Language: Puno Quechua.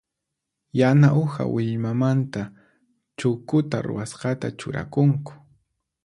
Yana uha willmamanta chukuta ruwasqata churakunku.